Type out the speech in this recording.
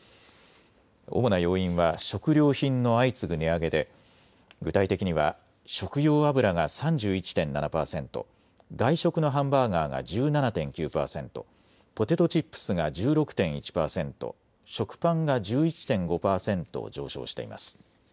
主な要因は食料品の相次ぐ値上げで具体的には食用油が３１．７％、外食のハンバーガーが１７．９％、ポテトチップスが１６．１％、食パンが１１．５％上昇しています。